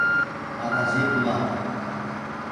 — Паразит улат!